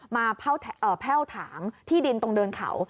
แพ่วถางที่ดินตรงเดินเขา